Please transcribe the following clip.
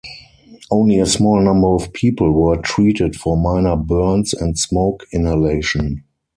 Only a small number of people were treated for minor burns and smoke inhalation.